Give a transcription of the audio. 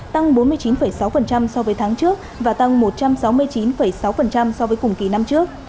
tăng bốn mươi chín sáu so với tháng trước và tăng một trăm sáu mươi chín sáu so với cùng kỳ năm trước